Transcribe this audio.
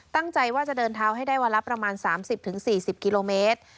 ตั้งใจว่าจะเดินเท้าให้ได้วันละประมาณ๓๐๔๐กิโลเมตร